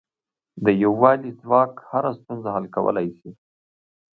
د یووالي ځواک هره ستونزه حل کولای شي.